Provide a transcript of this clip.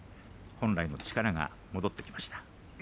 本来の力が戻ってきました。